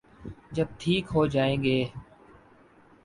جب ٹھیک ہو جائیں گے۔